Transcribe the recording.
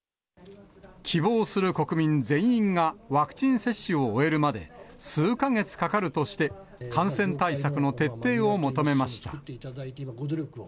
希望する国民全員がワクチン接種を終えるまで数か月かかるとして、感染対策の徹底を求めました。